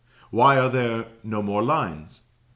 Why are there no more lines?